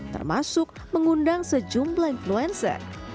termasuk mengundang sejumlah influencer